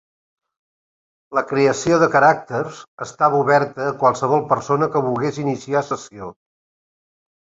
La creació de caràcters estava oberta a qualsevol persona que volgués iniciar sessió.